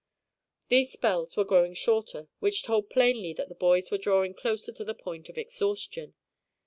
These spells were growing shorter, which told plainly enough that the boys were drawing closer to the point of exhaustion.